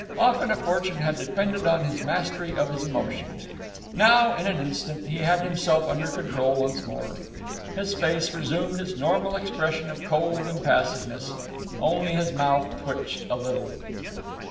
Often a fortune had depended on his mastery of his emotions. Now, in an instant, he had himself under control once more. His face resumed its normal expression of cold impassiveness. Only his mouth twitched a little.